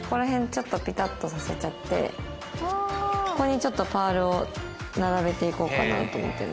ちょっとピタッとさせちゃってここにちょっとパールを並べていこうかなと思ってるんですけど。